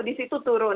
di situ turun